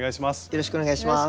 よろしくお願いします。